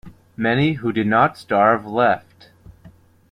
Many who did not starve left.